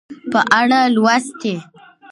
په اړه لوستي